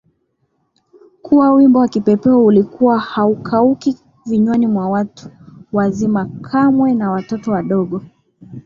kuwa wimbo wa Kipepeo ulikuwa haukauki vinywani mwa watu wazima kamwe na watoto wadogo